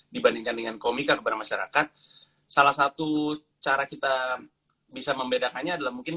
dibandingkan dengan komika kepada masyarakat salah satu cara kita bisa membedakannya adalah mungkin